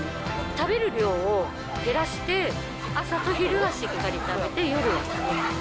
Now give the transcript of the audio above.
食べる量を減らして、朝と昼はしっかり食べて、夜は食べない。